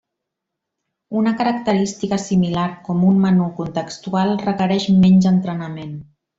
Una característica similar com un menú contextual requereix menys entrenament.